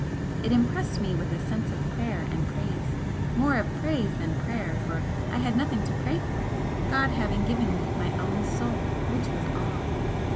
It impressed me with a sense of prayer and praise more of praise than prayer, for I had nothing to pray for, God having given me my own Soul, which was all!